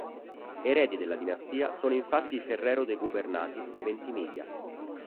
Eredi della dinastia sono infatti i Ferrero de Gubernatis Ventimiglia.